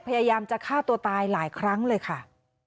พยายามจะฆ่าตัวตายหลายครั้งเลยค่ะ